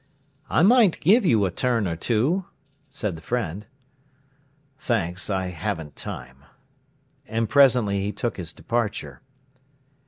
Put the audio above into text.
"I might give you a turn or two," said the friend. "Thanks, I haven't time." And presently he took his departure.